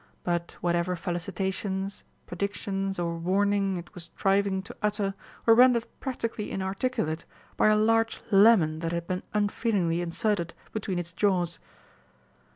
But whatever felicitations, predictions, or warning it was striving to utter were rendered practically inarticulate by a large lemon that had been unfeelingly inserted between its jaws.